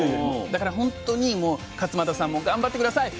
だから本当にもう勝間さんも頑張って下さい。